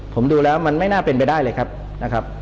ผมดูแล้วมันไม่น่าเป็นไปได้เลยครับนะครับ